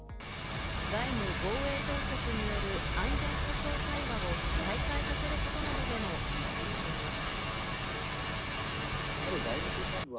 外務・防衛当局による、安全保障対話を再開させることなどでも一致しています。